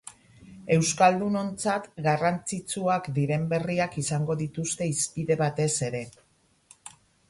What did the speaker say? Euskaldunontzat garrantzitsuak diren berriak izango dituzte hizpide batez ere.